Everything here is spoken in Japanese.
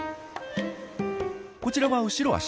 こちらは後ろ足。